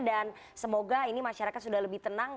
dan semoga ini masyarakat sudah lebih tenang